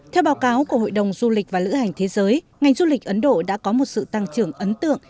theo báo cáo của hội đồng du lịch và lữ hành thế giới ngành du lịch ấn độ đã có một sự tăng trưởng ấn tượng